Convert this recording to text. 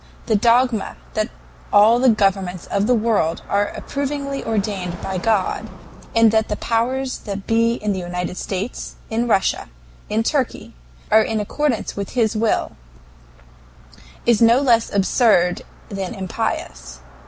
"The dogma that all the governments of the world are approvingly ordained of God, and that the powers that be in the United States, in Russia, in Turkey, are in accordance with his will, is no less absurd than impious.